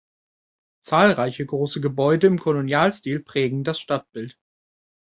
Zahlreiche große Gebäude im Kolonialstil prägen das Stadtbild.